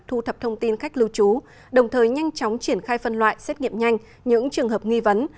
thu thập thông tin khách lưu trú đồng thời nhanh chóng triển khai phân loại xét nghiệm nhanh những trường hợp nghi vấn